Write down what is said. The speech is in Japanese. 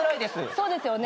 そうですよね。